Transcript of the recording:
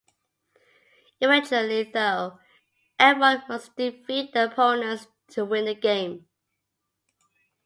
Eventually though everyone must defeat their opponents to win the game.